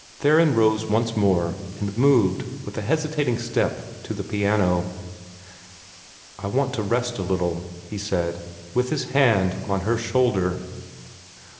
Theron rose once more, and moved with a hesitating step to the piano. "I want to rest a little," he said, with his hand on her shoulder.